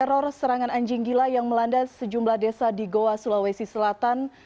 teror serangan anjing gila yang melanda sejumlah desa di goa sulawesi selatan